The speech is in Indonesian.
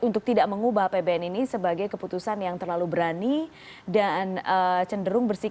tapi yang naik sekarang ini